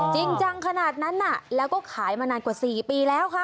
จริงจังขนาดนั้นน่ะแล้วก็ขายมานานกว่า๔ปีแล้วค่ะ